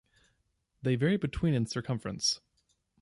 They vary between in circumference.